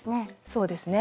そうですね。